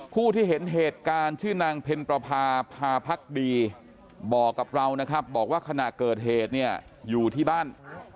ผู้ที่เห็นเหตุการณ์ชื่อนางเพ็ญประพาพาพักดีบอกกับเรานะครับบอกว่าขณะเกิดเหตุเนี่ยอยู่ที่บ้าน